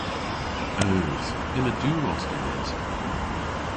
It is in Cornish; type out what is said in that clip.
Eus. Yma diwros genes.